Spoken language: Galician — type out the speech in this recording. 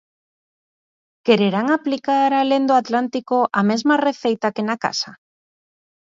Quererán aplicar alén do Atlántico a mesma receita que na casa?